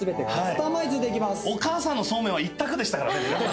お母さんのそうめんは１択でしたからね。